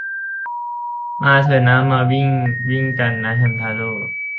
มาเถอะนะมาวิ่ง วิ่งกันนะแฮมทาโร่